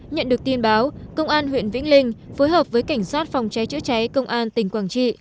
nhận được tin báo công an huyện vĩnh linh phối hợp với cảnh sát phòng cháy chữa cháy công an tỉnh quảng trị